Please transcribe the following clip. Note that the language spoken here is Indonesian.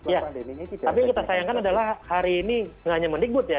ya tapi kita sayangkan adalah hari ini tidak hanya mendikbut ya